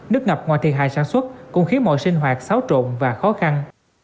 nước ngập ngoài thiệt hại sản xuất cũng khiến mọi sinh hoạt xáo trộn và khó khăn